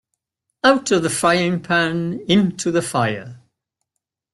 Out of the frying pan into the fire.